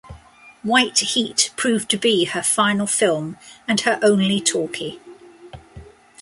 "White Heat" proved to be her final film, and her only talkie.